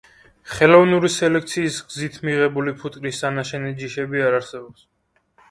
ხელოვნური სელექციის გზით მიღებული ფუტკრის სანაშენე ჯიშები არ არსებობს.